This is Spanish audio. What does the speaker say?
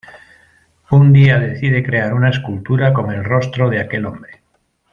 Un día decide crear una escultura con el rostro de aquel hombre.